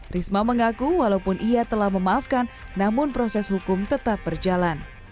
risma mengaku walaupun ia telah memaafkan namun proses hukum tetap berjalan